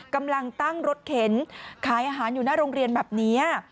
กำลังตั้งรถเข็นขายอาหารอยู่หน้าโรงเรียนแบบนี้